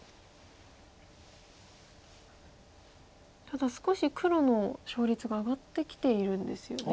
ただ少し黒の勝率が上がってきているんですよね。